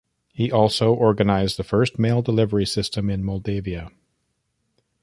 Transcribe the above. He also organized the first mail delivery system in Moldavia.